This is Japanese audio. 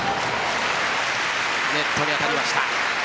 ネットにかかりました。